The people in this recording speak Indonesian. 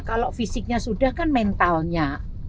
kalau fisiknya sudah kan mentalnya